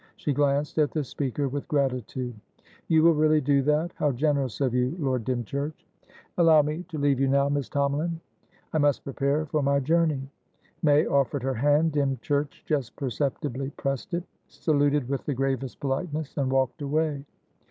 She glanced at the speaker with gratitude. "You will really do that? How generous of you, Lord Dymchurch!" "Allow me to leave you now, Miss Tomalin. I must prepare for my journey." May offered her hand. Dymchurch just perceptibly pressed it, saluted with the gravest politeness, and walked away.